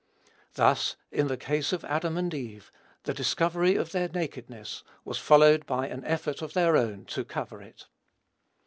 Thus, in the case of Adam and Eve, the discovery of their nakedness was followed by an effort of their own to cover it.